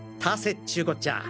っちゅうこっちゃ！